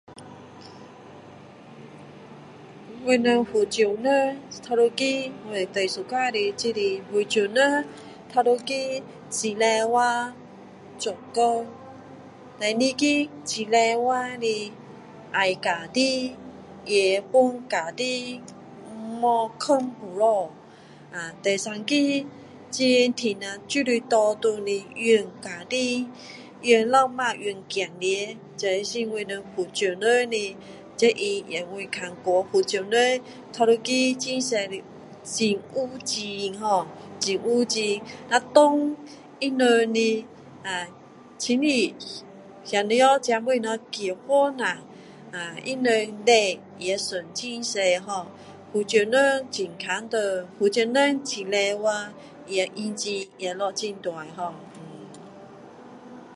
我们福州人头一个喜欢的就是福人头一个很努力做工第二个很努力的爱家庭也帮家庭没空肚子啊第三个钱赚了就是拿回来养家庭养老婆养孩子这就是我们福州人的责任我也看过福州人头一个就是很有情ho很有情那那里亲戚姐妹哥们若结婚啊他们礼也送很多ho福州人很看重福州人很努力也人情也下很大ho